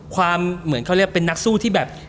เหมือนเขาเรียกเป็นนักสู้ที่แบบ